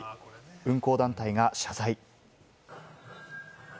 運行団体が謝罪。